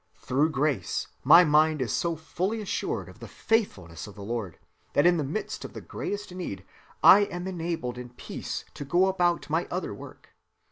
Through Grace my mind is so fully assured of the faithfulness of the Lord, that in the midst of the greatest need, I am enabled in peace to go about my other work.